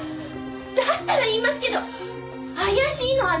だったら言いますけど怪しいのは七海さんです！